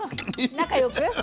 仲良く？